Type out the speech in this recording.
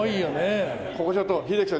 ここちょっと英樹さん